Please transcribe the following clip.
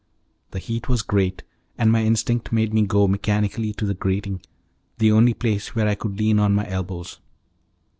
The heat was great, and my instinct made me go mechanically to the grating, the only place where I could lean on my elbows.